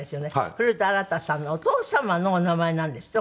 古田新太さんのお父様のお名前なんですって？